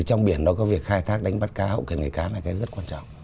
trong biển nó có việc khai thác đánh bắt cá hỗn hợp với người cá là cái rất quan trọng